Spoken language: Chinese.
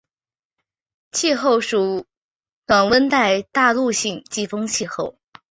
气候属暖温带大陆性季风气候。